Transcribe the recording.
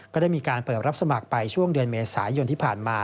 ก็ได้มีการเปิดรับสมัครไปช่วงเดือนเมษายนที่ผ่านมา